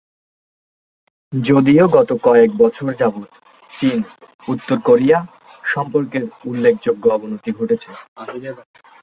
যদিও, গত কয়েক বছর যাবত চীন-উত্তর কোরিয়া সম্পর্কের উল্লেখযোগ্য অবনতি ঘটেছে।